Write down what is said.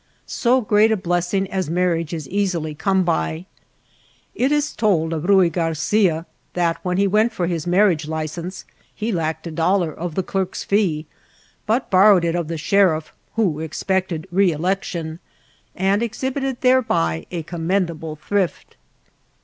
So great a blessing as mar riage is easily come by. It is told of Ruy Garcia that when he went for his marriage license he lacked a dollar of the clerk's fee, but borrowed it of the sheriff, who ex pected reelection and exhibited thereby a commendable thrift.